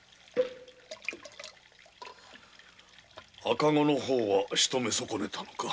赤子の方は仕止め損ねたのか？